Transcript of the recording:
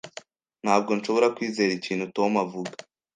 Ntabwo nshobora kwizera ikintu Tom avuga.